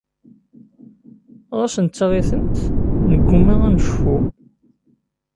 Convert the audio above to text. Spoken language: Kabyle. Ɣas nettaɣ-itent neggumma ad necfu.